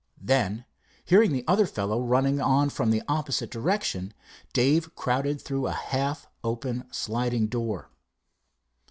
Then, hearing the other fellow running on from the opposite direction, Dave crowded through a half open sliding door.